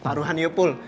paruhan yuk pul